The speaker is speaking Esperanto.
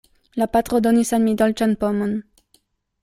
La patro donis al mi dolĉan pomon.